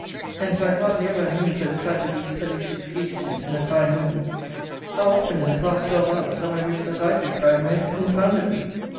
Hence I hardly ever am moved at the sight of these pellucid fugitives in a fine woman. How often, in the past twelve hours, have I wished that I could cry most confoundedly?